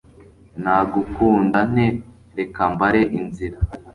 nagukunda nte? reka mbare inzira